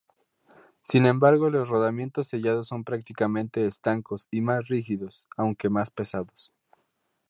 Sin embargo los rodamientos sellados son prácticamente estancos y más rígidos, aunque más pesados.